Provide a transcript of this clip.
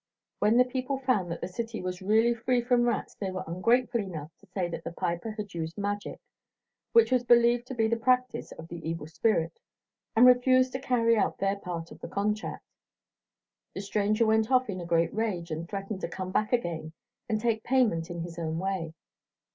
When the people found that the city was really free from rats they were ungrateful enough to say that the piper had used magic, which was believed to be the practice of the evil spirit, and refused to carry out their part of the contract. The stranger went off in a great rage and threatened to come back again and take payment in his own way.